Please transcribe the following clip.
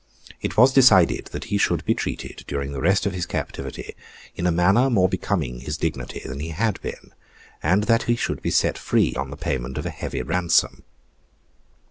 It was decided that he should be treated, during the rest of his captivity, in a manner more becoming his dignity than he had been, and that he should be set free on the payment of a heavy ransom.